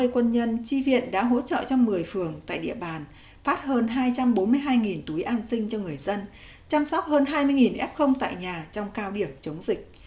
ba mươi quân nhân tri viện đã hỗ trợ cho một mươi phường tại địa bàn phát hơn hai trăm bốn mươi hai túi an sinh cho người dân chăm sóc hơn hai mươi f tại nhà trong cao điểm chống dịch